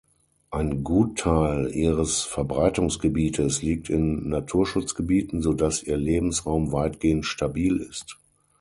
Ein Gutteil ihres Verbreitungsgebietes liegt in Naturschutzgebieten, sodass ihr Lebensraum weitgehend stabil ist.